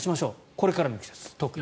これからの季節、特に。